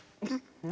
何？